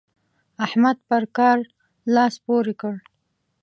احمد پر کار لاس پورې کړ.